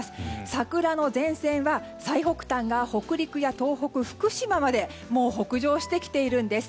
桜の前線は最北端が北陸や東北、福島まで北上してきているんです。